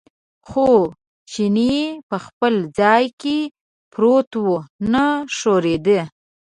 خو چیني په خپل ځای کې پروت و، نه ښورېده.